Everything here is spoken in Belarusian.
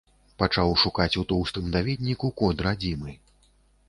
Пачаў шукаць у тоўстым даведніку код радзімы.